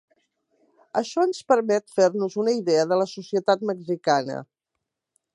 Això ens permet fer-nos una idea de la societat mexicana.